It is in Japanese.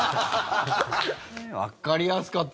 わかりやすかった。